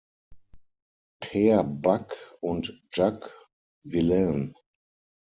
Per Bak und Jacques Villain.